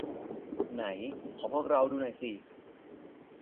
ไหนขอพวกเราดูหน่อยสิ